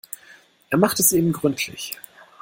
Er macht es eben gründlich.